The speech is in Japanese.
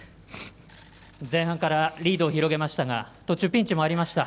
前半からリードを広げましたが途中、ピンチもありました。